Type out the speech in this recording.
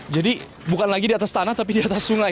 jadi bukan lagi di atas tanah tapi di atas sungai